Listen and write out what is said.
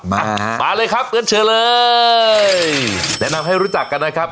มามาเลยครับงั้นเชิญเลยแนะนำให้รู้จักกันนะครับ